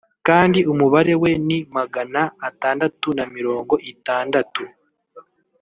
kandi umubare we ni magana atandatu na mirongo itandatu